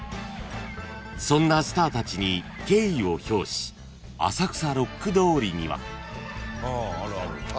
［そんなスターたちに敬意を表し浅草六区通りには］